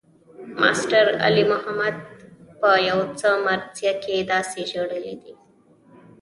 ماسټر علي محمد پۀ يو مرثيه کښې داسې ژړلے دے